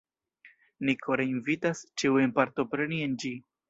Ni kore invitas ĉiujn partopreni en ĝi!